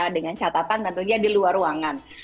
dengan catatan tentunya di luar ruangan